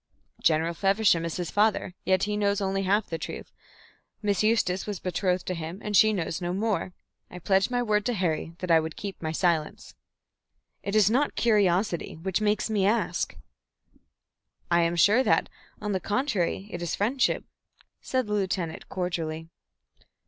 "General Feversham is his father, yet he knows only half the truth. Miss Eustace was betrothed to him, and she knows no more. I pledged my word to Harry that I would keep silence." "It is not curiosity which makes me ask." "I am sure that, on the contrary, it is friendship," said the lieutenant, cordially.